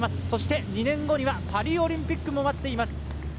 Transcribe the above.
そして２年後にはパリオリンピックも待っています。